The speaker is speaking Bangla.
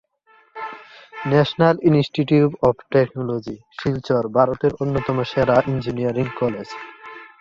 National institute of technology, Silchar, ভারতের অন্যতম সেরা ইঞ্জিনিয়ারিং কলেজ।